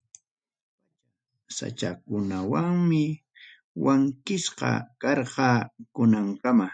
Pachaqa sachakunawanmi wankisqa karqa, kunankama.